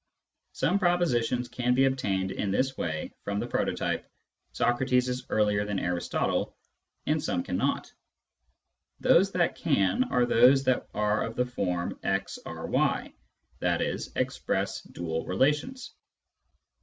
Some propositions can be obtained in this way from the prototype " Socrates is earlier than Aris totle " and some cannot ; those that can are those that are of the form " x R y," i.e. express dual relations.